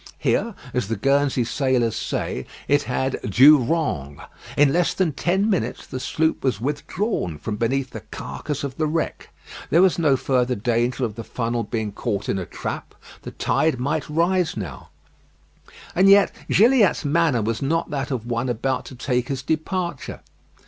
Here, as the Guernsey sailors say, it had du rang. In less than ten minutes the sloop was withdrawn from beneath the carcase of the wreck. There was no further danger of the funnel being caught in a trap. The tide might rise now. And yet Gilliatt's manner was not that of one about to take his departure.